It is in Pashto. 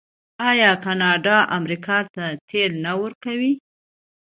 آیا کاناډا امریکا ته تیل نه ورکوي؟